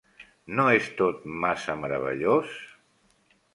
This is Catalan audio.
No és tot massa meravellós?